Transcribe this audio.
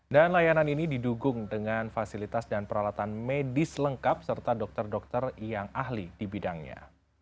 dan layanan ini didugung dengan fasilitas dan peralatan medis lengkap serta dokter dokter yang ahli di bidangnya